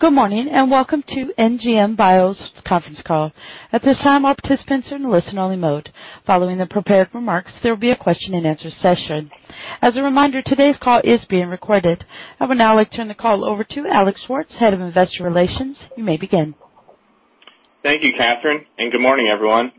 Good morning, and welcome to NGM Bio's conference call. At this time all participants are listen only mode following prepare remark there will be a question-and-answer session. As a reminder todays call is being recorded. I would now like to turn the call over to Alex Schwartz, Head of Investor Relations. You may begin. Thank you, Catherine, and good morning, everyone.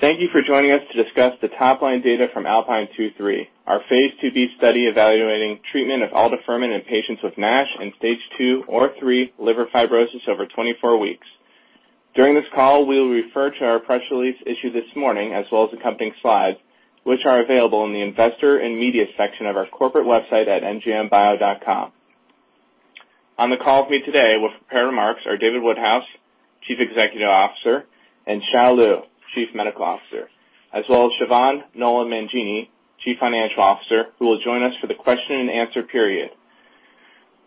Thank you for joining us to discuss the top line data from ALPINE 2/3, phase II-B study evaluating treatment of aldafermin in patients with NASH in Stage 2 or 3 liver fibrosis over 24 weeks. During this call, we will refer to our press release issued this morning, as well as accompanying slides, which are available in the investor and media section of our corporate website at ngmbio.com. On the call with me today with prepared remarks are David Woodhouse, Chief Executive Officer, and Hsiao Lieu, Chief Medical Officer, as well as Siobhan Nolan Mangini, Chief Financial Officer, who will join us for the question-and-answer period.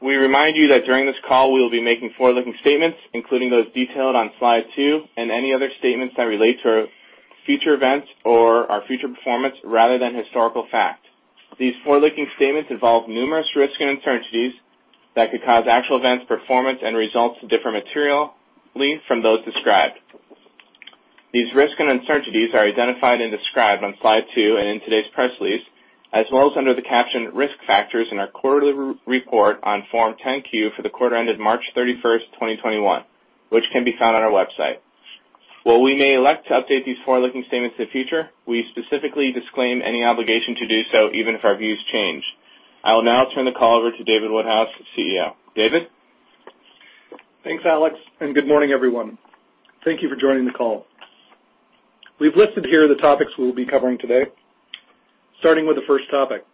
We remind you that during this call, we will be making forward-looking statements, including those detailed on slide two and any other statements that relate to future events or our future performance rather than historical fact. These forward-looking statements involve numerous risks and uncertainties that could cause actual events, performance, and results to differ materially from those described. These risks and uncertainties are identified and described on slide two and in today's press release, as well as under the caption Risk Factors in our quarterly report on Form 10-Q for the quarter ended March 31st, 2021, which can be found on our website. While we may elect to update these forward-looking statements in the future, we specifically disclaim any obligation to do so even if our views change. I will now turn the call over to David Woodhouse, CEO. David? Thanks, Alex. Good morning, everyone. Thank you for joining the call. We've listed here the topics we will be covering today, starting with the first topic.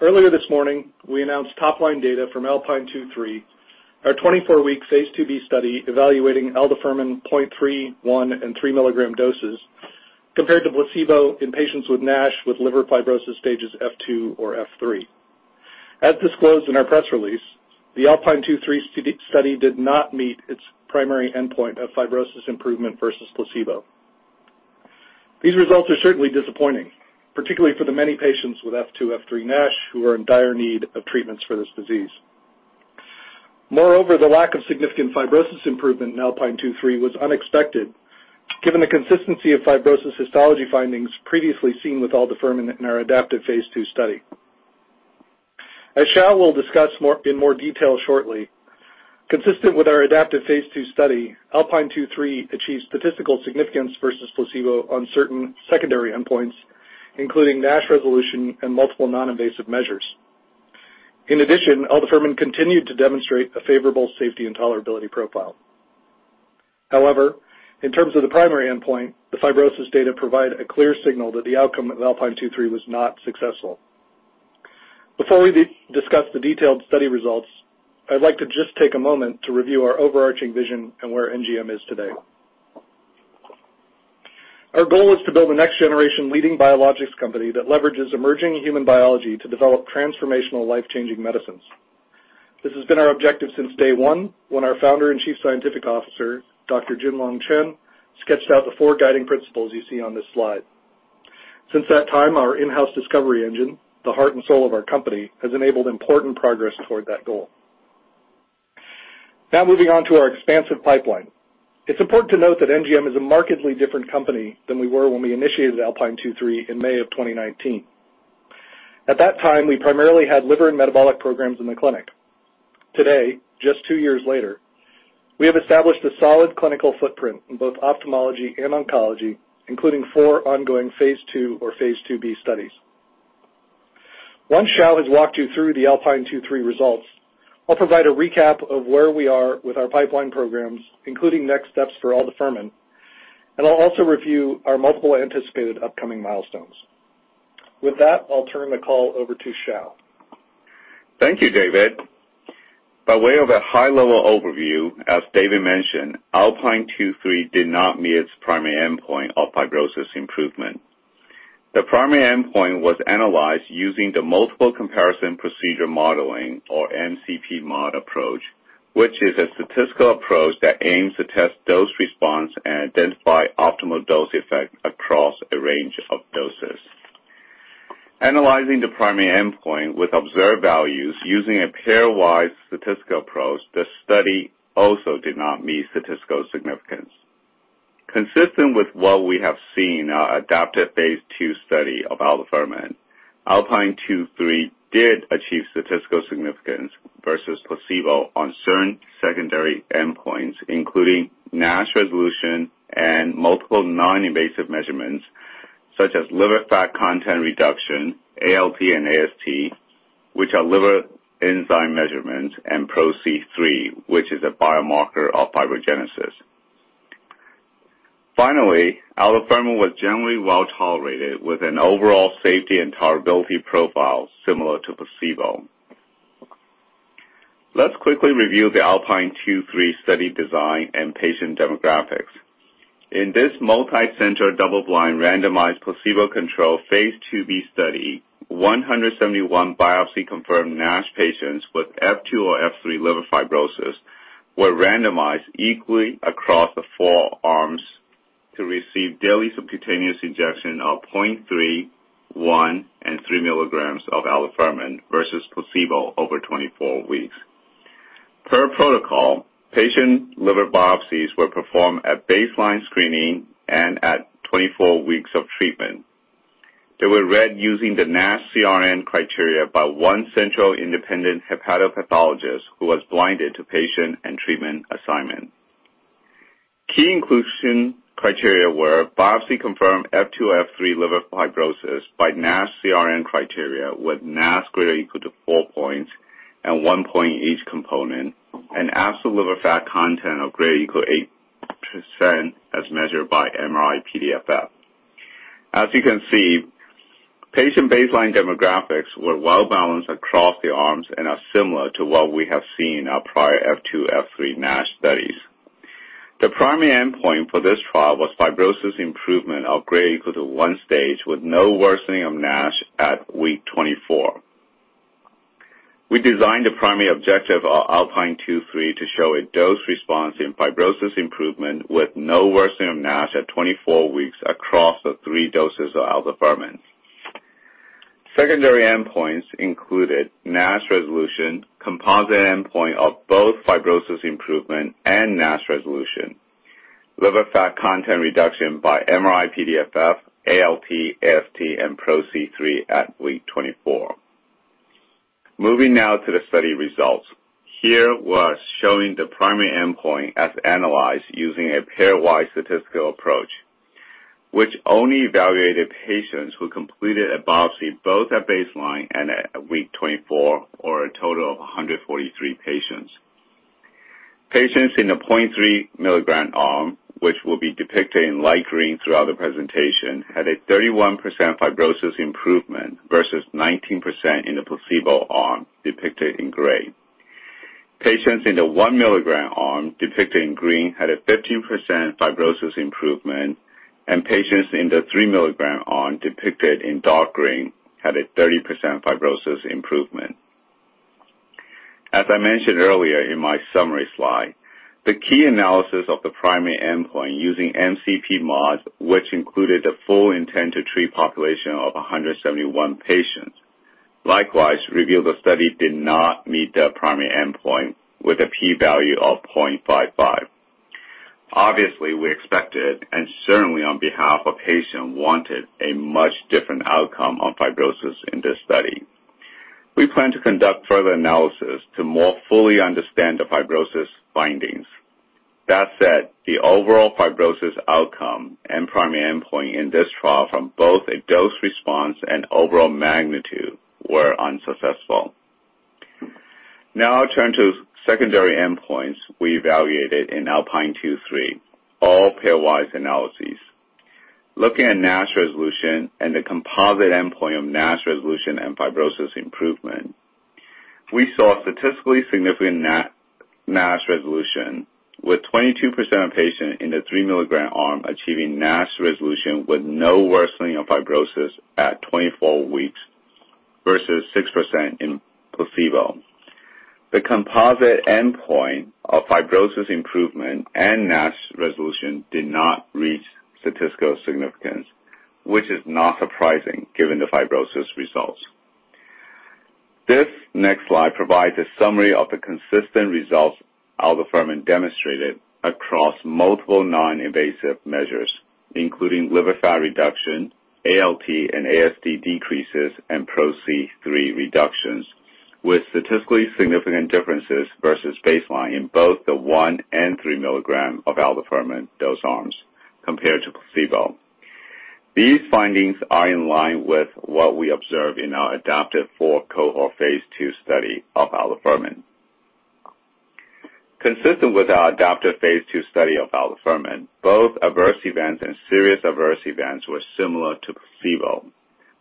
Earlier this morning, we announced topline data from ALPINE 2/3, our 24-week phase II-B study evaluating aldafermin 0.3 mg, 1 mg, and 3 mg doses compared to placebo in patients with NASH with liver fibrosis stages F2 or F3. As disclosed in our press release, the ALPINE 2/3 study did not meet its primary endpoint of fibrosis improvement versus placebo. These results are certainly disappointing, particularly for the many patients with F2, F3 NASH who are in dire need of treatments for this disease. Moreover, the lack of significant fibrosis improvement in ALPINE 2/3 was unexpected given the consistency of fibrosis histology findings previously seen with aldafermin in our adaptive phase II study. As Hsiao will discuss in more detail shortly, consistent with our adaptive phase II study, ALPINE 2/3 achieved statistical significance versus placebo on certain secondary endpoints, including NASH resolution and multiple non-invasive measures. In addition, aldafermin continued to demonstrate a favorable safety and tolerability profile. However, in terms of the primary endpoint, the fibrosis data provide a clear signal that the outcome of ALPINE 2/3 was not successful. Before we discuss the detailed study results, I'd like to just take a moment to review our overarching vision and where NGM is today. Our goal is to build a next generation leading biologics company that leverages emerging human biology to develop transformational life-changing medicines. This has been our objective since day one when our founder and Chief Scientific Officer, Dr. Jin-Long Chen, sketched out the four guiding principles you see on this slide. Since that time, our in-house discovery engine, the heart and soul of our company, has enabled important progress toward that goal. Moving on to our expansive pipeline. It's important to note that NGM is a markedly different company than we were when we initiated ALPINE 2/3 in May of 2019. At that time, we primarily had liver and metabolic programs in the clinic. Today, just two years later, we have established a solid clinical footprint in both ophthalmology and oncology, including four ongoing phase II phase II-B studies. Once Hsiao has walked you through the ALPINE 2/3 results, I'll provide a recap of where we are with our pipeline programs, including next steps for aldafermin, and I'll also review our multiple anticipated upcoming milestones. With that, I'll turn the call over to Hsiao. Thank you, David. By way of a high-level overview, as David mentioned, ALPINE 2/3 did not meet its primary endpoint of fibrosis improvement. The primary endpoint was analyzed using the Multiple Comparison Procedures and Modeling or MCP-Mod approach, which is a statistical approach that aims to test dose response and identify optimal dose effect across a range of doses. Analyzing the primary endpoint with observed values using a pairwise statistical approach, the study also did not meet statistical significance. Consistent with what we have seen our adapted phase II study of aldafermin, ALPINE 2/3 did achieve statistical significance versus placebo on certain secondary endpoints, including NASH resolution and multiple non-invasive measurements such as liver fat content reduction, ALT and AST, which are liver enzyme measurements, and PRO-C3, which is a biomarker of fibrogenesis. Finally, aldafermin was generally well-tolerated with an overall safety and tolerability profile similar to placebo. Let's quickly review the ALPINE 2/3 study design and patient demographics. In this multicenter, double-blind, randomized, phase II-B study, 171 biopsy-confirmed NASH patients with F2 or F3 liver fibrosis were randomized equally across the four arms to receive daily subcutaneous injection of 0.3 mg, 1 mg, and 3 mg of aldafermin versus placebo over 24 weeks. Per protocol, patient liver biopsies were performed at baseline screening and at 24 weeks of treatment. They were read using the NASH CRN criteria by one central independent hepatopathologist who was blinded to patient and treatment assignment. Key inclusion criteria were biopsy-confirmed F2, F3 liver fibrosis by NASH CRN criteria with NASH greater or equal to four points and one point in each component, and absolute liver fat content of greater or equal to 8% as measured by MRI-PDFF. As you can see, patient baseline demographics were well-balanced across the arms and are similar to what we have seen in our prior F2, F3 NASH studies. The primary endpoint for this trial was fibrosis improvement of greater or equal to one stage with no worsening of NASH at week 24. We designed the primary objective of ALPINE 2/3 to show a dose response in fibrosis improvement with no worsening of NASH at 24 weeks across the 3 doses of aldafermin. Secondary endpoints included NASH resolution, composite endpoint of both fibrosis improvement and NASH resolution, liver fat content reduction by MRI-PDFF, ALT, AST, and PRO-C3 at week 24. Moving now to the study results. Here, we're showing the primary endpoint as analyzed using a pairwise statistical approach, which only evaluated patients who completed a biopsy both at baseline and at week 24, or a total of 143 patients. Patients in the 0.3 mg arm, which will be depicted in light green throughout the presentation, had a 31% fibrosis improvement versus 19% in the placebo arm, depicted in gray. Patients in the 1 mg arm, depicted in green, had a 15% fibrosis improvement, and patients in the 3 mg arm, depicted in dark green, had a 30% fibrosis improvement. As I mentioned earlier in my summary slide, the key analysis of the primary endpoint using MCP-Mod, which included the full intent-to-treat population of 171 patients, likewise revealed the study did not meet their primary endpoint with a p-value of 0.55. Obviously, we expected and certainly on behalf of patients, wanted a much different outcome on fibrosis in this study. We plan to conduct further analysis to more fully understand the fibrosis findings. That said, the overall fibrosis outcome and primary endpoint in this trial from both a dose response and overall magnitude were unsuccessful. I turn to secondary endpoints we evaluated in ALPINE 2/3, all pairwise analyses. Looking at NASH resolution and the composite endpoint of NASH resolution and fibrosis improvement, we saw statistically significant NASH resolution, with 22% of patients in the 3 mg arm achieving NASH resolution with no worsening of fibrosis at 24 weeks versus 6% in placebo. The composite endpoint of fibrosis improvement and NASH resolution did not reach statistical significance, which is not surprising given the fibrosis results. This next slide provides a summary of the consistent results aldafermin demonstrated across multiple non-invasive measures, including liver fat reduction, ALT and AST decreases, and PRO-C3 reductions, with statistically significant differences versus baseline in both the 1 mg and 3 mg of aldafermin dose arms compared to placebo. These findings are in line with what we observed in our adaptive 4-cohort phase II study of aldafermin. Consistent with our adaptive phase II study of aldafermin, both adverse events and serious adverse events were similar to placebo,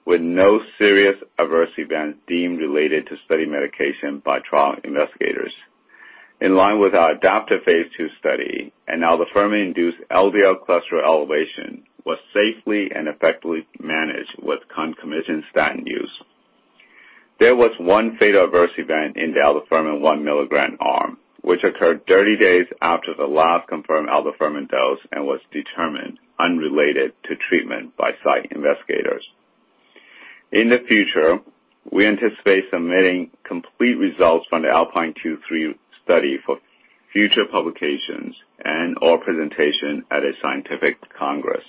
with no serious adverse events deemed related to study medication by trial investigators. In line with our adaptive phase II study, an aldafermin-induced LDL cholesterol elevation was safely and effectively managed with concomitant statin use. There was one fatal adverse event in the aldafermin 1 mg arm, which occurred 30 days after the last confirmed aldafermin dose and was determined unrelated to treatment by site investigators. In the future, we anticipate submitting complete results from the ALPINE 2/3 study for future publications and/or presentation at a scientific congress.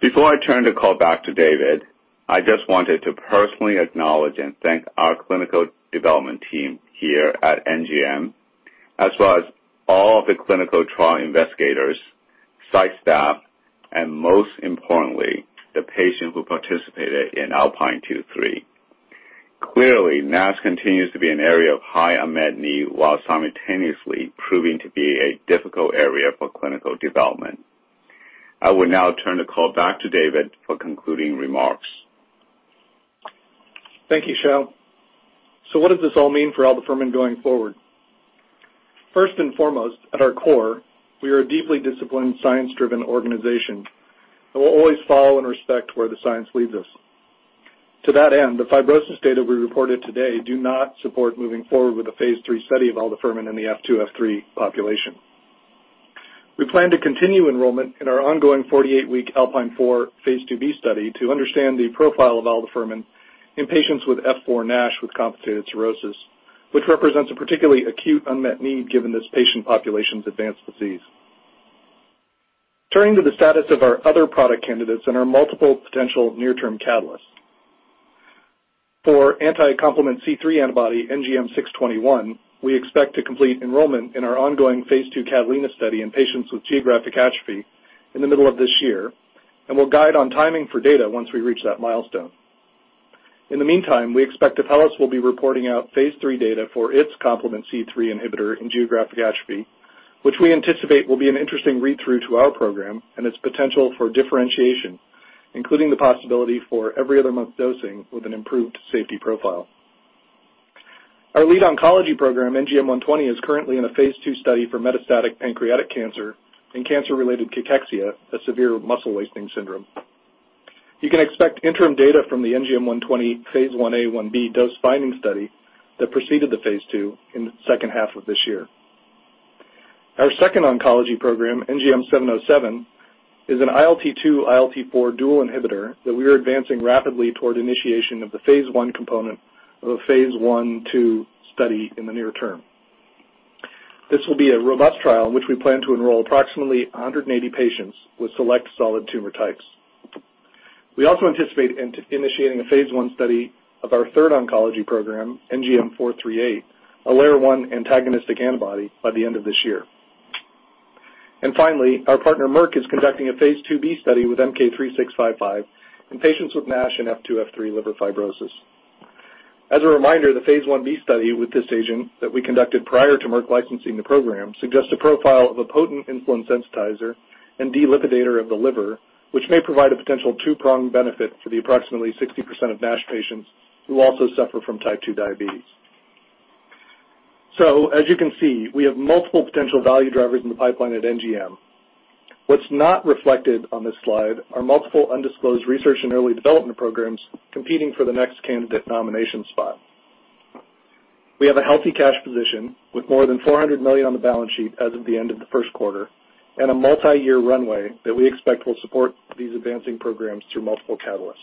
Before I turn the call back to David, I just wanted to personally acknowledge and thank our clinical development team here at NGM, as well as all the clinical trial investigators, site staff, and most importantly, the patients who participated in ALPINE 2/3. Clearly, NASH continues to be an area of high unmet need while simultaneously proving to be a difficult area for clinical development. I will now turn the call back to David for concluding remarks. Thank you, Hsiao. What does this all mean for aldafermin going forward? First and foremost, at our core, we are a deeply disciplined, science-driven organization that will always follow and respect where the science leads us. To that end, the fibrosis data we reported today do not support moving forward with the Phase III study of aldafermin in the F2, F3 population. We plan to continue enrollment in our ongoing 48-week ALPINE phase II-B study to understand the profile of aldafermin in patients with F4 NASH with compensated cirrhosis, which represents a particularly acute unmet need given this patient population's advanced disease. Turning to the status of our other product candidates and our multiple potential near-term catalysts. For anti-complement C3 antibody, NGM621, we expect to complete enrollment in our ongoing phase II CATALINA study in patients with geographic atrophy in the middle of this year. We will guide on timing for data once we reach that milestone. In the meantime, we expect Apellis will be reporting out phase III data for its complement C3 inhibitor in geographic atrophy, which we anticipate will be an interesting read-through to our program and its potential for differentiation, including the possibility for every other month dosing with an improved safety profile. Our lead oncology program, NGM120, is currently in a phase II study for metastatic pancreatic cancer and cancer-related cachexia, a severe muscle wasting syndrome. You can expect interim data from the NGM120 phase I-A/I-B dose-finding study that preceded the phase II in the second half of this year. Our second oncology program, NGM707, is an ILT-2/ILT-4 dual inhibitor that we are advancing rapidly toward initiation of the phase I component of a phase I/II study in the near term. This will be a robust trial in which we plan to enroll approximately 180 patients with select solid tumor types. We also anticipate initiating a phase I study of our third oncology program, NGM438, a LAIR-1 antagonistic antibody, by the end of this year. Finally, our partner, Merck, is conducting phase II-B study with MK-3655 in patients with NASH and F2, F3 liver fibrosis. As a reminder, the phase I-B study with this agent that we conducted prior to Merck licensing the program suggests a profile of a potent insulin sensitizer and de-lipidator of the liver, which may provide a potential two-pronged benefit for the approximately 60% of NASH patients who also suffer from Type 2 diabetes. As you can see, we have multiple potential value drivers in the pipeline at NGM. What's not reflected on this slide are multiple undisclosed research and early development programs competing for the next candidate nomination spot. We have a healthy cash position with more than $400 million on the balance sheet as of the end of the first quarter, and a multiyear runway that we expect will support these advancing programs through multiple catalysts.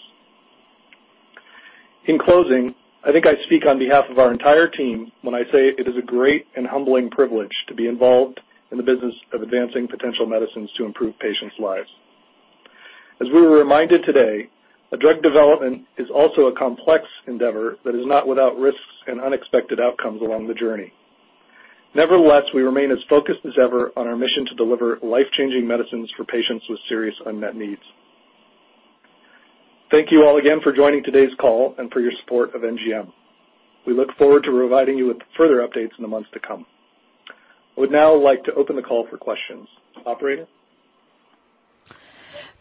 In closing, I think I speak on behalf of our entire team when I say it is a great and humbling privilege to be involved in the business of advancing potential medicines to improve patients' lives. As we were reminded today that drug development is also a complex endeavor that is not without risks and unexpected outcomes along the journey. Nevertheless, we remain as focused as ever on our mission to deliver life-changing medicines for patients with serious unmet needs. Thank you all again for joining today's call and for your support of NGM. We look forward to providing you with further updates in the months to come. I would now like to open the call for questions. Operator?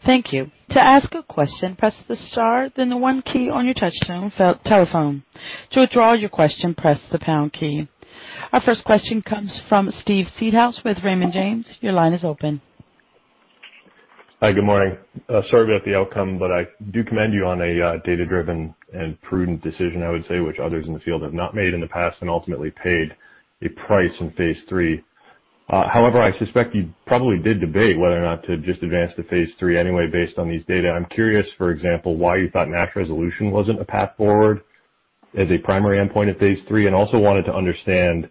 Thank you. To ask question press the star then one on your touchpad telephone to withdraw your question press the pound key. Our first question comes from Steve Seedhouse with Raymond James. Your line is open. Hi. Good morning. Sorry about the outcome, I do commend you on a data-driven and prudent decision, I would say, which others in the field have not made in the past and ultimately paid a price in phase III. I suspect you probably did debate whether or not to just advance to phase III anyway based on these data. I'm curious, for example, why you thought NASH resolution wasn't a path forward as a primary endpoint at phase III, and also wanted to understand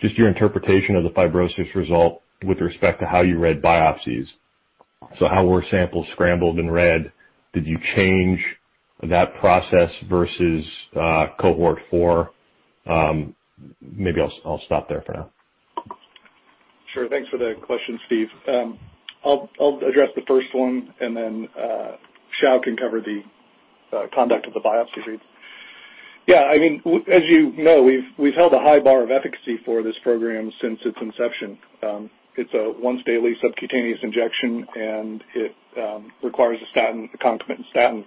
just your interpretation of the fibrosis result with respect to how you read biopsies. How were samples scrambled and read? Did you change that process versus Cohort 4? Maybe I'll stop there for now. Sure. Thanks for the question, Steve. I'll address the first one and then Hsiao can cover the conduct of the biopsies. Yeah, as you know, we've held a high bar of efficacy for this program since its inception. It's a once daily subcutaneous injection, and it requires a statin, a concomitant statin.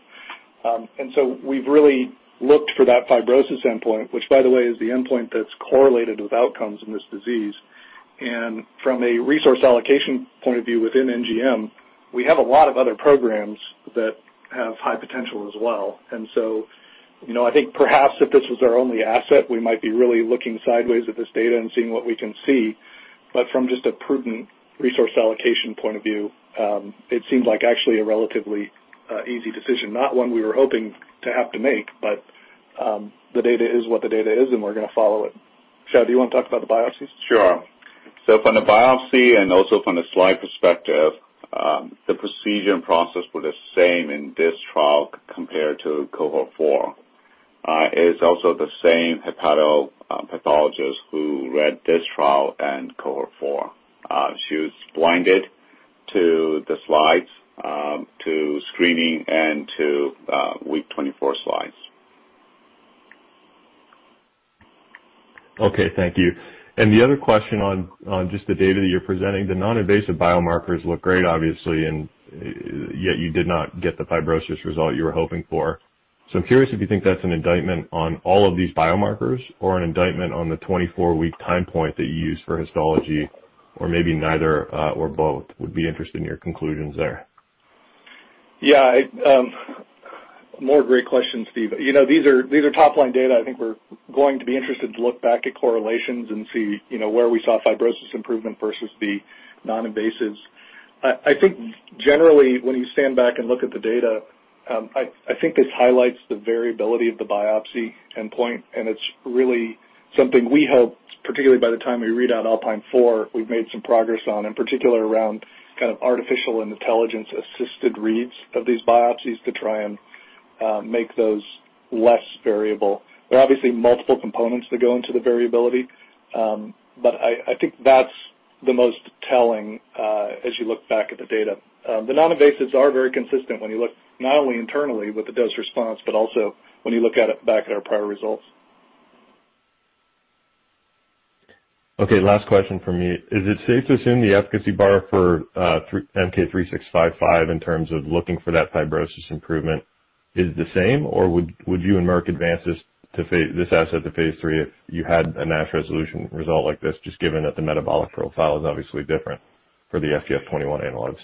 We've really looked for that fibrosis endpoint, which by the way, is the endpoint that's correlated with outcomes in this disease. From a resource allocation point of view within NGM, we have a lot of other programs that have high potential as well. I think perhaps if this was our only asset, we might be really looking sideways at this data and seeing what we can see. From just a prudent resource allocation point of view, it seems like actually a relatively easy decision, not one we were hoping to have to make, but the data is what the data is, and we're going to follow it. Hsiao, do you want to talk about the biopsies? Sure. From the biopsy and also from the slide perspective, the procedure and process were the same in this trial compared to Cohort 4. It is also the same hepatopathologist who read this trial and Cohort 4. She was blinded to the slides, to screening, and to week 24 slides. Okay. Thank you. The other question on just the data that you're presenting, the non-invasive biomarkers look great, obviously, and yet you did not get the fibrosis result you were hoping for. I'm curious if you think that's an indictment on all of these biomarkers or an indictment on the 24-week time point that you used for histology, or maybe neither or both? Would be interested in your conclusions there. Yeah. More great questions, Steve. These are top-line data. I think we're going to be interested to look back at correlations and see where we saw fibrosis improvement versus the non-invasives. I think generally, when you stand back and look at the data, I think this highlights the variability of the biopsy endpoint, and it's really something we hope, particularly by the time we read out ALPINE 4, we've made some progress on, in particular around artificial intelligence assisted reads of these biopsies to try and make those less variable. There are obviously multiple components that go into the variability. I think that's the most telling as you look back at the data. The non-invasives are very consistent when you look not only internally with the dose response, but also when you look at it back at our prior results. Last question from me. Is it safe to assume the efficacy bar for MK-3655 in terms of looking for that fibrosis improvement is the same, or would you and Merck advance this asset to phase III if you had a NASH resolution result like this, just given that the metabolic profile is obviously different for the FGF21 analogs?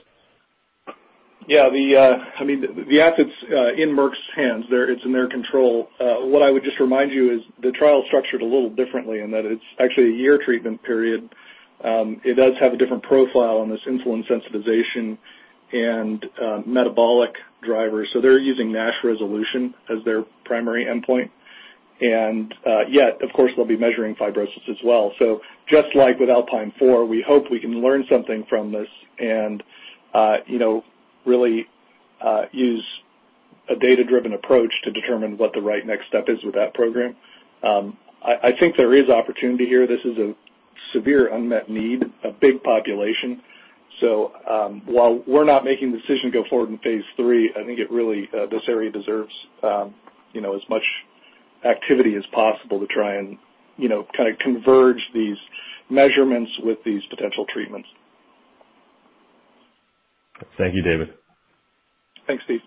Yeah. The asset's in Merck's hands. It's in their control. What I would just remind you is the trial is structured a little differently in that it's actually a year treatment period. It does have a different profile on this insulin sensitization and metabolic drivers, so they're using NASH resolution as their primary endpoint. Yet, of course, they'll be measuring fibrosis as well. Just like with ALPINE 4, we hope we can learn something from this and really use a data-driven approach to determine what the right next step is with that program. I think there is opportunity here. This is a severe unmet need, a big population. While we're not making the decision to go forward in phase III, I think this area deserves as much activity as possible to try and converge these measurements with these potential treatments. Thank you, David. Thanks, Steve.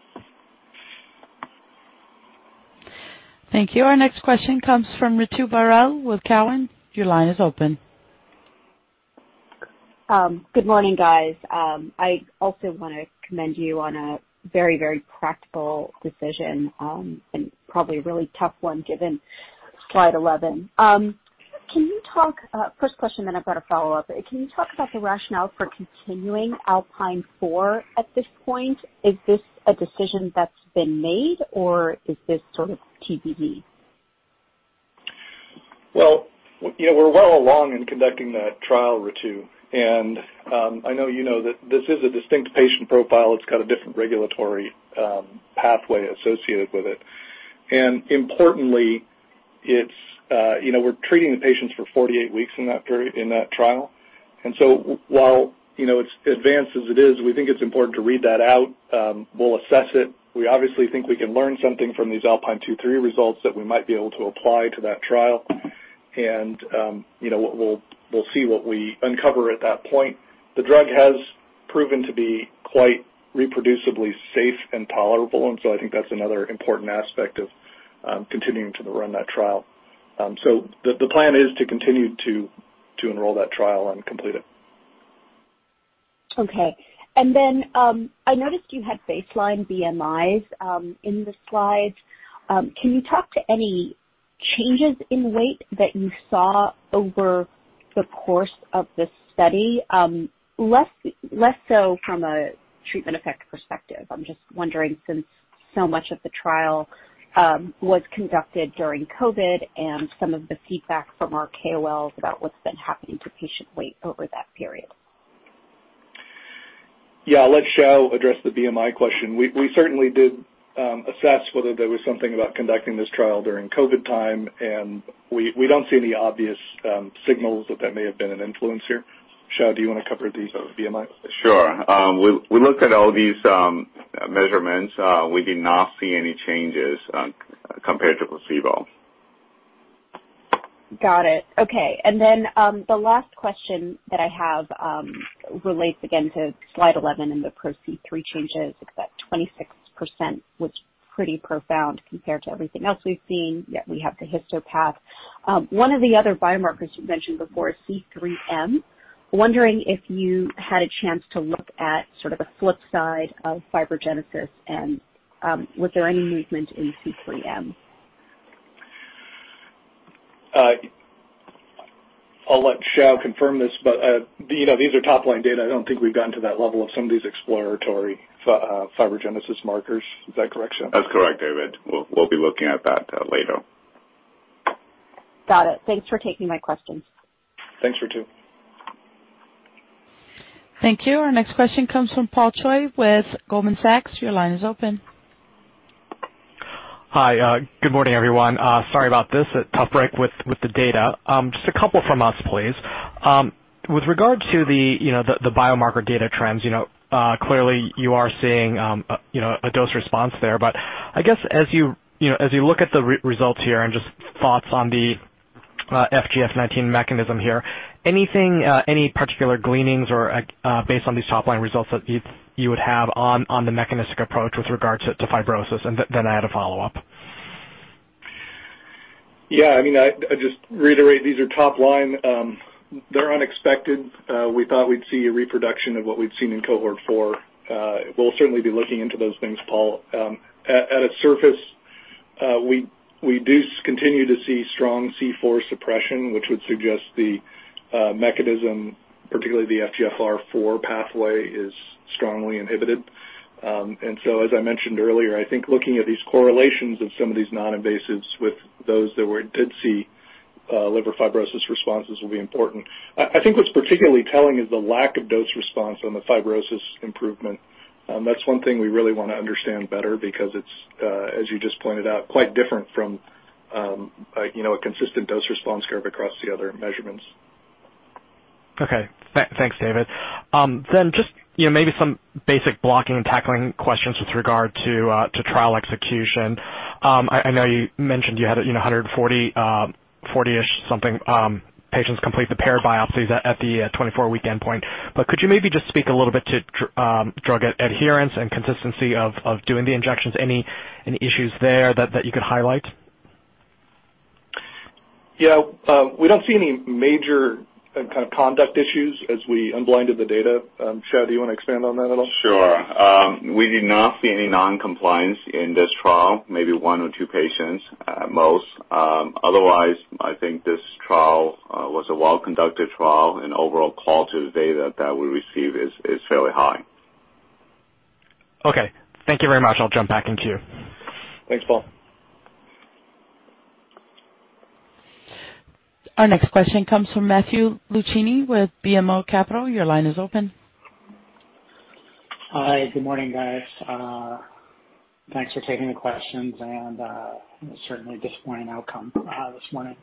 Thank you. Our next question comes from Ritu Baral with Cowen. Good morning, guys. I also want to commend you on a very practical decision, and probably a really tough one given slide 11. First question, then I've got a follow-up. Can you talk about the rationale for continuing ALPINE 4 at this point? Is this a decision that's been made, or is this sort of TBD? Well, we're well along in conducting that trial, Ritu Baral. I know you know that this is a distinct patient profile. It's got a different regulatory pathway associated with it. Importantly, we're treating the patients for 48 weeks in that trial. While it's advanced as it is, we think it's important to read that out. We'll assess it. We obviously think we can learn something from these ALPINE 2/3 results that we might be able to apply to that trial. We'll see what we uncover at that point. The drug has proven to be quite reproducibly safe and tolerable. I think that's another important aspect of continuing to run that trial. The plan is to continue to enroll that trial and complete it. Okay. I noticed you had baseline BMIs in the slides. Can you talk to any changes in weight that you saw over the course of this study? Less so from a treatment effect perspective. I'm just wondering, since so much of the trial was conducted during COVID and some of the feedback from our KOLs about what's been happening to patient weight over that period. Yeah. I'll let Hsiao address the BMI question. We certainly did assess whether there was something about conducting this trial during COVID time. We don't see any obvious signals that that may have been an influence here. Hsiao, do you want to cover the BMI? Sure. We looked at all these measurements. We did not see any changes compared to placebo. Got it. Okay. The last question that I have relates again to slide 11 and the PRO-C3 changes, except 26%, which is pretty profound compared to everything else we've seen, yet we have the histopath. One of the other biomarkers you mentioned before is C3M. Wondering if you had a chance to look at sort of a flip side of fibrogenesis and was there any movement in C3M? I'll let Hsiao confirm this, but these are top-line data. I don't think we've gotten to that level of some of these exploratory fibrogenesis markers. Is that correct, Hsiao? That's correct, David. We'll be looking at that later. Got it. Thanks for taking my questions. Thanks, Ritu. Thank you. Our next question comes from Paul Choi with Goldman Sachs. Hi. Good morning, everyone. Sorry about this. A tough break with the data. Just a couple from us, please. With regard to the biomarker data trends, clearly you are seeing a dose response there, but I guess as you look at the results here and just thoughts on the FGF19 mechanism here, any particular gleanings based on these top-line results that you would have on the mechanistic approach with regards to fibrosis? I had a follow-up. Yeah, I just reiterate these are top-line. They're unexpected. We thought we'd see a reproduction of what we'd seen in Cohort 4. We'll certainly be looking into those things, Paul. At a surface, we do continue to see strong C4 suppression, which would suggest the mechanism, particularly the FGFR4 pathway, is strongly inhibited. As I mentioned earlier, I think looking at these correlations of some of these non-invasives with those that we did see liver fibrosis responses will be important. I think what's particularly telling is the lack of dose response on the fibrosis improvement. That's one thing we really want to understand better because it's, as you just pointed out, quite different from a consistent dose-response curve across the other measurements. Okay. Thanks, David. Just maybe some basic blocking and tackling questions with regard to trial execution. I know you mentioned you had 140-ish something patients complete the paired biopsies at the 24-week endpoint. Could you maybe just speak a little bit to drug adherence and consistency of doing the injections? Any issues there that you could highlight? Yeah. We don't see any major conduct issues as we unblinded the data. Hsiao, do you want to expand on that a little? Sure. We did not see any non-compliance in this trial, maybe one or two patients at most. Otherwise, I think this trial was a well-conducted trial, and overall call to the data that we received is fairly high. Okay. Thank you very much. I'll jump back in the queue. Thanks, Paul. Our next question comes from Matthew Luchini with BMO Capital. Your line is open. Hi. Good morning, guys. Thanks for taking the questions and certainly disappointing outcome this morning.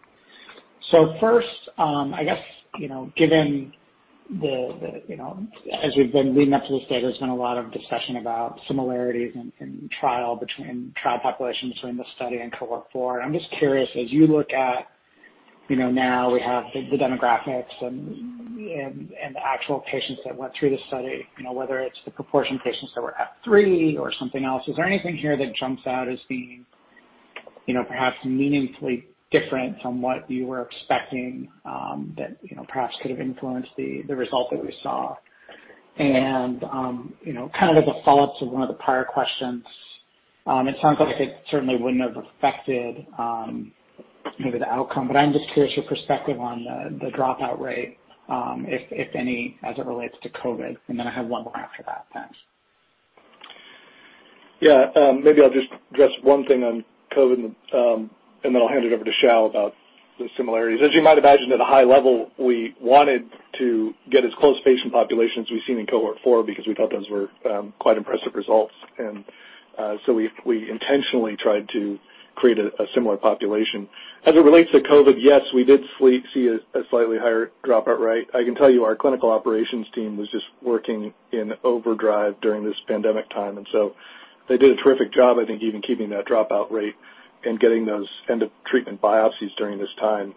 First, I guess, as we've been leading up to this day, there's been a lot of discussion about similarities in trial between trial populations during the study and Cohort 4. I'm just curious, as you look at now we have the demographics and actual patients that went through the study, whether it's the proportion of patients that were at F3 or something else. Is there anything here that jumps out as being perhaps meaningfully different from what you were expecting that perhaps could have influenced the result that we saw? As a follow-up to one of the prior questions, it sounds like it certainly wouldn't have affected maybe the outcome. I'm just curious your perspective on the dropout rate if any, as it relates to COVID. I have one more after that, thanks. Yeah. Maybe I'll just address one thing on COVID, and then I'll hand it over to Hsiao about the similarities. As you might imagine, at a high level, we wanted to get as close to patient populations we've seen in Cohort 4 because we felt those were quite impressive results. We intentionally tried to create a similar population. As it relates to COVID, yes, we did see a slightly higher dropout rate. I can tell you our clinical operations team was just working in overdrive during this pandemic time, and so they did a terrific job, I think, even keeping that dropout rate and getting those end-of-treatment biopsies during this time.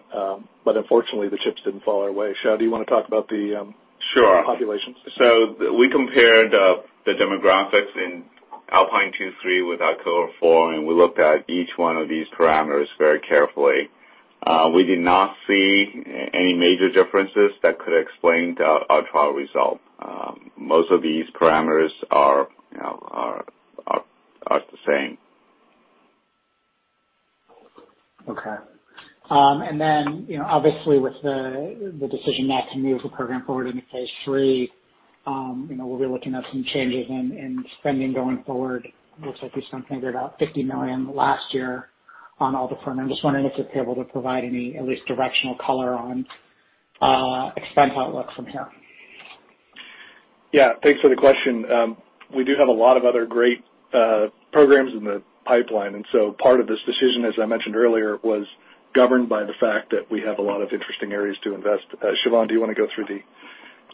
Unfortunately, the chips didn't fall our way. Sure populations? We compared the demographics in ALPINE 2/3 with our cohort four, and we looked at each one of these parameters very carefully. We did not see any major differences that could explain our trial result. Most of these parameters are the same. Okay. Then, obviously, with the decision not to move the program forward into phase III, we'll be looking at some changes in spending going forward. It looks like we spent $50 million last year on all the programs. I just wondered if you're able to provide any, at least directional color on expense outlook from here. Yeah. Thanks for the question. We do have a lot of other great programs in the pipeline, and so part of this decision, as I mentioned earlier, was governed by the fact that we have a lot of interesting areas to invest. Siobhan, do you want to go through the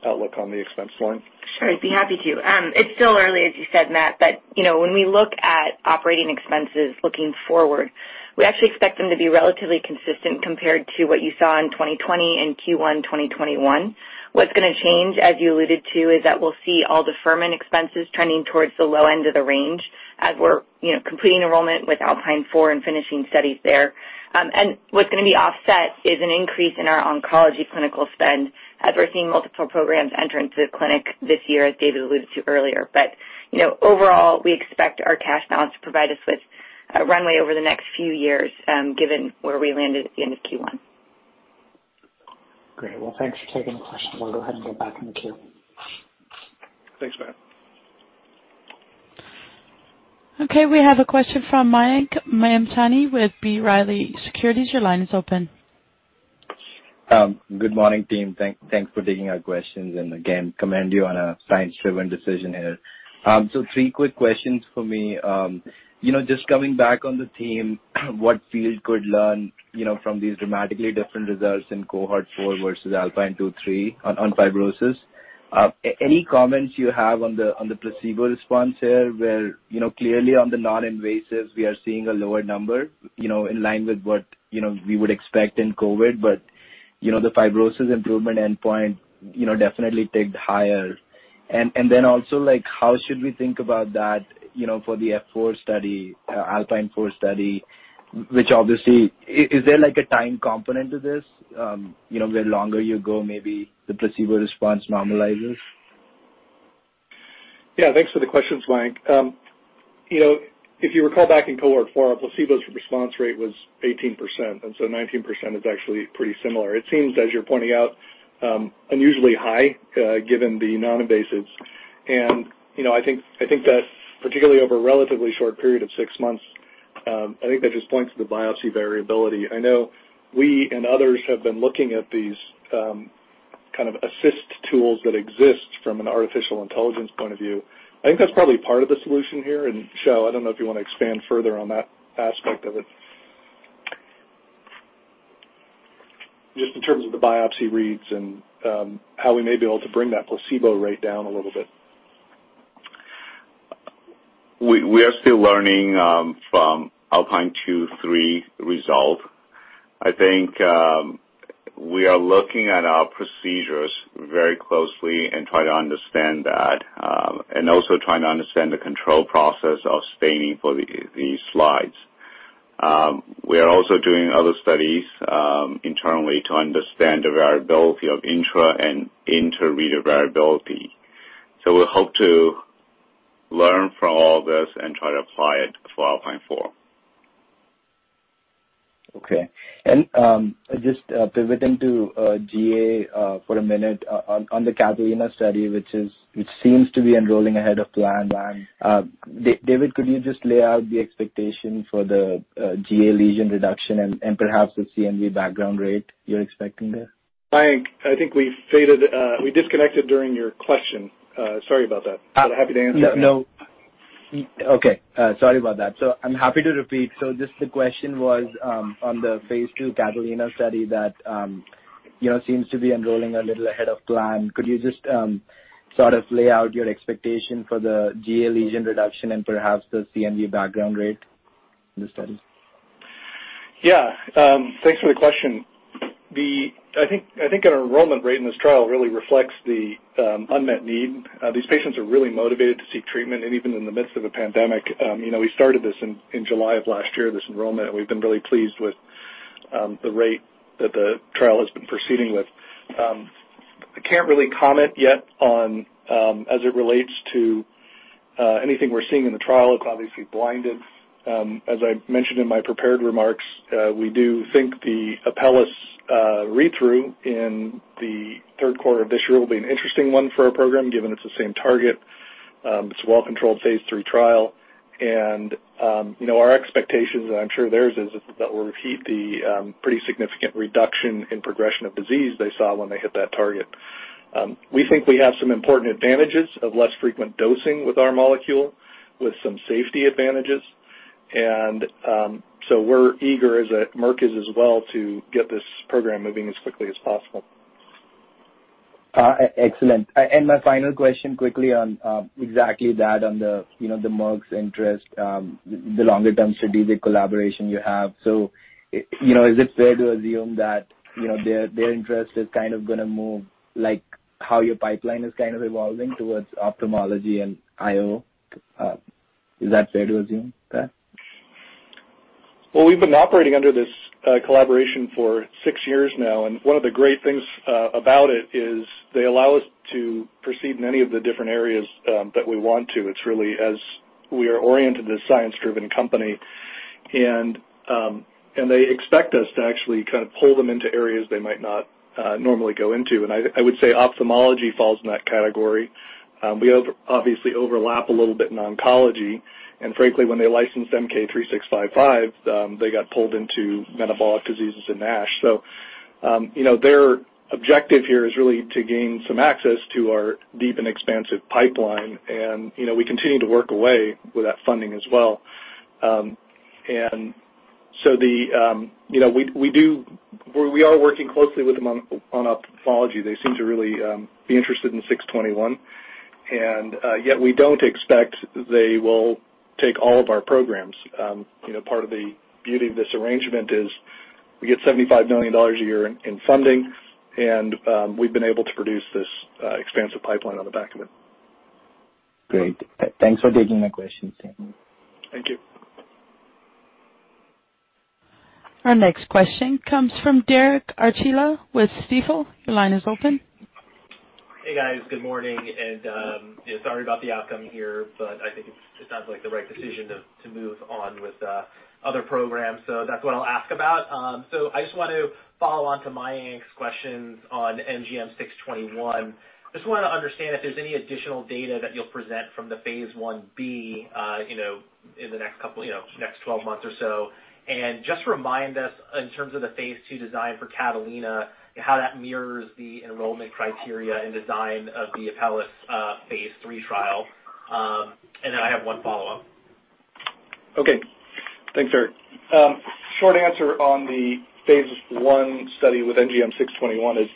outlook on the expense line? Sure, I'd be happy to. It's still early, as you said, Matt, when we look at operating expenses looking forward, we actually expect them to be relatively consistent compared to what you saw in 2020 and Q1 2021. What's going to change, as you alluded to, is that we'll see aldafermin expenses trending towards the low end of the range as we're completing enrollment with ALPINE 4 and finishing studies there. What's going to be offset is an increase in our oncology clinical spend as we're seeing multiple programs entering through the clinic this year, as David alluded to earlier. Overall, we expect our cash balance to provide us with a runway over the next few years, given where we landed at the end of Q1. Great. Well, thanks for taking the question. We'll go ahead and get back in the queue. Thanks, Matt. Okay, we have a question from Mayank Mamtani with B. Riley Securities. Your line is open. Good morning, team. Thanks for taking our questions and again, commend you on a science-driven decision here. Three quick questions for me. Just coming back on the theme, what field could learn from these dramatically different results in Cohort 4 versus ALPINE 2/3 on fibrosis? Any comments you have on the placebo response here where clearly on the non-invasives, we are seeing a lower number in line with what we would expect in COVID but the fibrosis improvement endpoint definitely ticked higher? Then also how should we think about that for the ALPINE 4 study, which obviously, is there like a time component to this, where the longer you go, maybe the placebo response normalizes? Thanks for the questions, Mayank. If you recall back in Cohort 4, placebo's response rate was 18%, and so 19% is actually pretty similar. It seems, as you're pointing out, unusually high, given the non-invasives. I think that particularly over a relatively short period of six months, I think that just points to the biopsy variability. I know we and others have been looking at these kind of assist tools that exist from an artificial intelligence point of view. I think that's probably part of the solution here, and Hsiao, I don't know if you want to expand further on that aspect of it. Just in terms of the biopsy reads and how we may be able to bring that placebo rate down a little bit. We are still learning from ALPINE 2/3 result. I think we are looking at our procedures very closely and try to understand that, and also trying to understand the control process of staining for these slides. We are also doing other studies internally to understand the variability of intra and inter-reader variability. We'll hope to learn from all this and try to apply it for ALPINE 4. Okay. Just pivoting to GA for a minute, on the CATALINA study, which seems to be enrolling ahead of plan. David, could you just lay out the expectation for the GA lesion reduction and perhaps the CNV background rate you're expecting there? Mayank, I think we disconnected during your question. Sorry about that. I'd be happy to answer again. No. Okay. Sorry about that. I'm happy to repeat. Just the question was, on the phase II CATALINA study that seems to be enrolling a little ahead of plan. Could you just sort of lay out your expectation for the GA lesion reduction and perhaps the CNV background rate in the study? Yeah. Thanks for the question. I think our enrollment rate in this trial really reflects the unmet need. These patients are really motivated to seek treatment and even in the midst of a pandemic. We started this in July of last year, this enrollment, and we've been really pleased with the rate that the trial has been proceeding with. I can't really comment yet on, as it relates to anything we're seeing in the trial. It's obviously blinded. As I mentioned in my prepared remarks, we do think the Apellis read-through in the third quarter of this year will be an interesting one for our program, given it's the same target. It's a well-controlled phase III trial. Our expectations, and I'm sure theirs is, that we'll repeat the pretty significant reduction in progression of disease they saw when they hit that target. We think we have some important advantages of less frequent dosing with our molecule, with some safety advantages. We're eager as at Merck is as well to get this program moving as quickly as possible. Excellent. My final question quickly on exactly that, on the Merck's interest, the longer term strategic collaboration you have. Is it fair to assume that their interest is going to move like how your pipeline is evolving towards ophthalmology and IO? Is that fair to assume that? Well, we've been operating under this collaboration for six years now, and one of the great things about it is they allow us to proceed many of the different areas that we want to. It's really as we are oriented as a science-driven company, and they expect us to actually kind of pull them into areas they might not normally go into. I would say ophthalmology falls in that category. We obviously overlap a little bit in oncology. Frankly, when they licensed MK-3655, they got pulled into metabolic diseases and NASH. Their objective here is really to gain some access to our deep and expansive pipeline and we continue to work away with that funding as well. We are working closely with them on ophthalmology. They seem to really be interested in NGM621, and yet we don't expect they will take all of our programs. Part of the beauty of this arrangement is we get $75 million a year in funding, and we've been able to produce this expansive pipeline on the back of it. Great. Thanks for taking the questions. Thank you. Our next question comes from Derek Archila with Stifel. Your line is open. Hey, guys. Good morning. Sorry about the outcome here. I think it sounds like the right decision to move on with other programs. That's what I'll ask about. I just want to follow on to Mayank's questions on NGM621. Just want to understand if there's any additional data that you'll present from the phase I-B in the next 12 months or so. Just remind us in terms of the phase II design for CATALINA, how that mirrors the enrollment criteria and design of the Apellis phase III trial. I have one follow-up. Okay. Thanks, Derek. Short answer on the phase I study with NGM621 is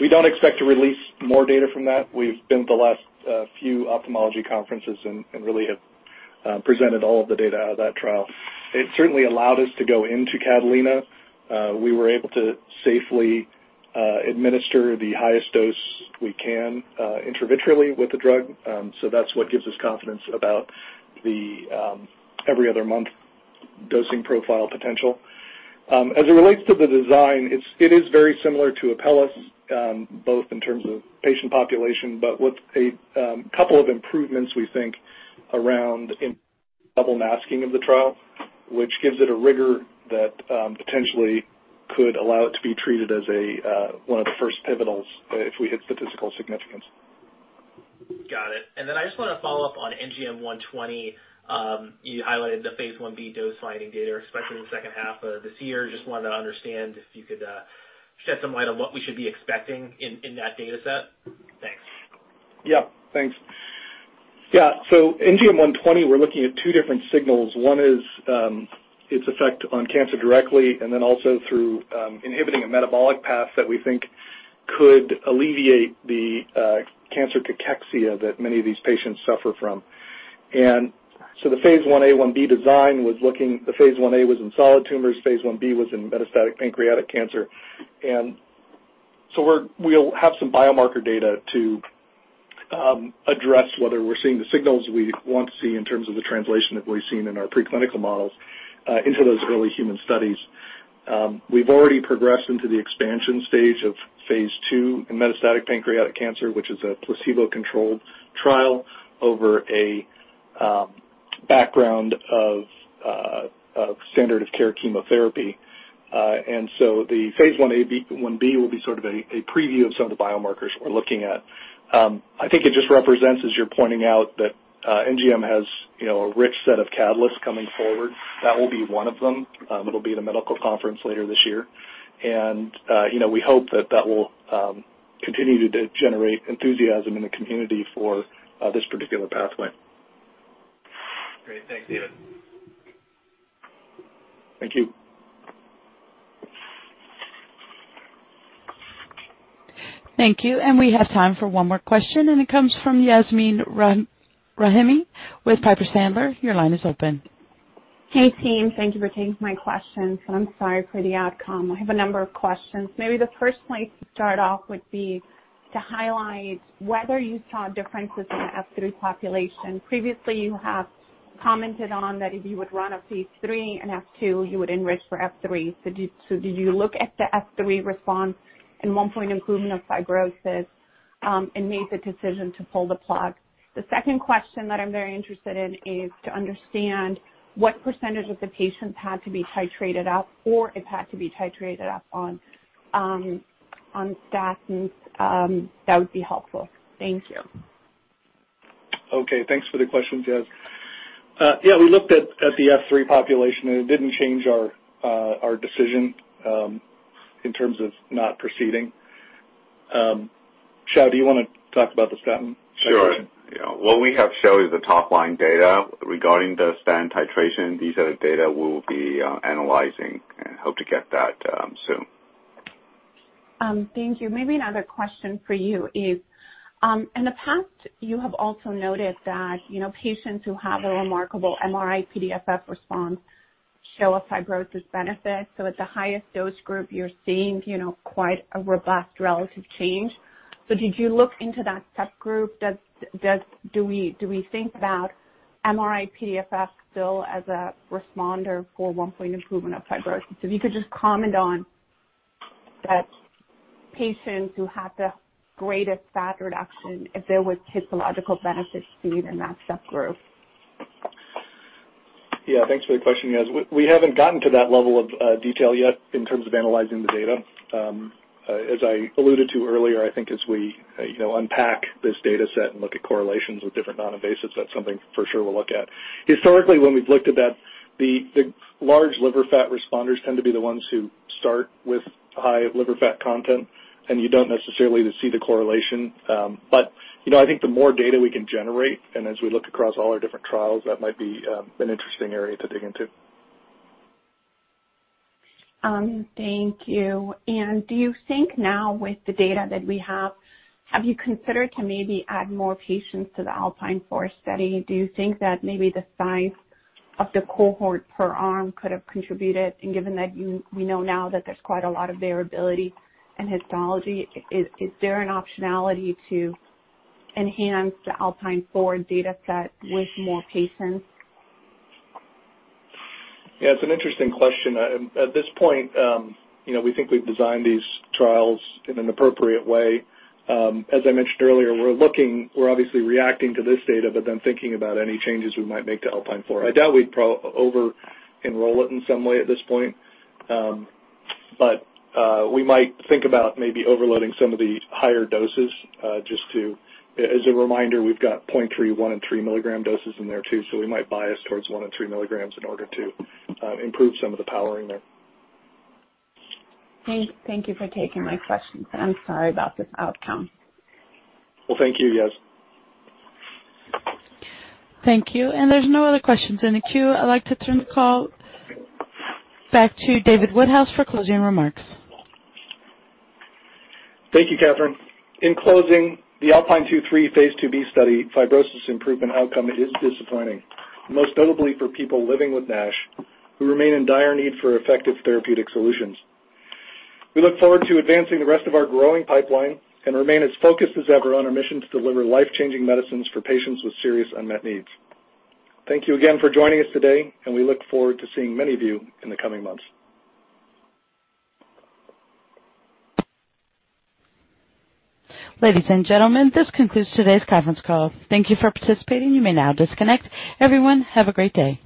we don't expect to release more data from that. We've been at the last few ophthalmology conferences and really have presented all of the data out of that trial. It certainly allowed us to go into CATALINA. We were able to safely administer the highest dose we can intravitreally with the drug. That's what gives us confidence about every other month dosing profile potential. As it relates to the design, it is very similar to Apellis, both in terms of patient population, but with a couple of improvements, we think, around double-masking of the trial, which gives it a rigor that potentially could allow it to be treated as one of the first pivotals, if we hit statistical significance. Got it. I just want to follow up on NGM120. You highlighted the phase I-B dose finding data, especially in the second half of this year. Just wanted to understand if you could shed some light on what we should be expecting in that data set. Thanks. Thanks. NGM120, we're looking at two different signals. One is its effect on cancer directly, and then also through inhibiting a metabolic path that we think could alleviate the cancer cachexia that many of these patients suffer from. The phase I-A/I-B design was looking. The phase I-A was in solid tumors. Phase I-B was in metastatic pancreatic cancer. We'll have some biomarker data to address whether we're seeing the signals we want to see in terms of the translation that we've seen in our preclinical models into those early human studies. We've already progressed into the expansion stage of phase II in metastatic pancreatic cancer, which is a placebo-controlled trial over a background of standard of care chemotherapy. The phase I-A/I-B will be sort of a preview of some of the biomarkers we're looking at. I think it just represents, as you're pointing out, that NGM has a rich set of catalysts coming forward. That will be one of them. It'll be at a medical conference later this year. We hope that that will continue to generate enthusiasm in the community for this particular pathway. Great. Thank you. Thank you. Thank you. We have time for one more question. It comes from Yasmeen Rahimi with Piper Sandler. Your line is open. Hey, team. Thank you for taking my questions, and I'm sorry for the outcome. I have a number of questions. Maybe the first place to start off would be to highlight whether you saw differences in the F3 population. Previously, you have commented on that if you would run a phase III in F2, you would enrich for F3. Did you look at the F3 response in one point improvement of fibrosis and made the decision to pull the plug? The second question that I'm very interested in is to understand what percentage of the patients had to be titrated up, or if had to be titrated up on statins. That would be helpful. Thank you. Okay. Thanks for the question, Yas. Yeah, we looked at the F3 population, and it didn't change our decision in terms of not proceeding. Hsiao, do you want to talk about the statin? Sure. Yeah. What we have showed is the top-line data regarding the statin titration. These are the data we'll be analyzing and hope to get that soon. Thank you. Another question for you is in the past, you have also noted that patients who have a remarkable MRI-PDFF response show a fibrosis benefit. At the highest dose group, you're seeing quite a robust relative change. Did you look into that subgroup? Do we think about MRI-PDFF still as a responder for one point improvement of fibrosis? If you could just comment on that patients who had the greatest fat reduction, if there was histological benefit seen in that subgroup? Yeah. Thanks for the question, Yas. We haven't gotten to that level of detail yet in terms of analyzing the data. As I alluded to earlier, I think as we unpack this data set and look at correlations with different non-invasives, that's something for sure we'll look at. Historically, when we've looked at that, the large liver fat responders tend to be the ones who start with high liver fat content, and you don't necessarily see the correlation. I think the more data we can generate, and as we look across all our different trials, that might be an interesting area to dig into. Thank you. Do you think now with the data that we have you considered to maybe add more patients to the ALPINE 4 study? Do you think that maybe the size of the cohort per arm could have contributed? Given that we know now that there's quite a lot of variability in histology, is there an optionality to enhance the ALPINE 4 data set with more patients? Yeah, it's an interesting question. At this point, we think we've designed these trials in an appropriate way. As I mentioned earlier, we're obviously reacting to this data, thinking about any changes we might make to ALPINE 4. I doubt we'd over enroll it in some way at this point. We might think about maybe overloading some of the higher doses. As a reminder, we've got 0.3 mg, 1 mg and 3 mg doses in there, too. We might bias towards 1 mg and 3 mg in order to improve some of the powering there. Thank you for taking my questions. I'm sorry about this outcome. Well, thank you, Yas. Thank you. There's no other questions in the queue. I'd like to turn the call back to David Woodhouse for closing remarks. Thank you, Catherine. In closing, the ALPINE phase II-B study fibrosis improvement outcome is disappointing, most notably for people living with NASH who remain in dire need for effective therapeutic solutions. We look forward to advancing the rest of our growing pipeline and remain as focused as ever on our mission to deliver life-changing medicines for patients with serious unmet needs. Thank you again for joining us today, and we look forward to seeing many of you in the coming months. Ladies and gentlemen, this concludes today's conference call. Thank you for participating. You may now disconnect. Everyone, have a great day.